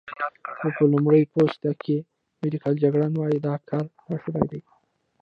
خو په لمړی پوسته کې، میډیکل جګړن وايي، دا کار ناشونی دی.